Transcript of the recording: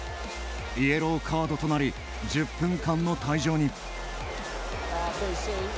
イエローカードとなり１０分間の退場に。